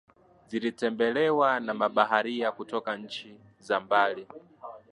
zilitembelewa na mabaharia kutoka nchi za mbali